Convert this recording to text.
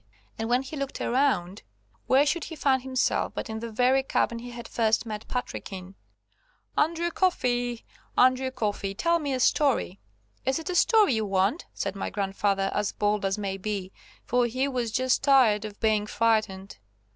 And when he looked around, where should he find himself but in the very cabin he had first met Patrick in. "Andrew Coffey, Andrew Coffey, tell me a story." "Is it a story you want?" said my grandfather as bold as may be, for he was just tired of being frightened.